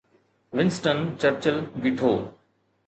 Winston Churchill بيٺو.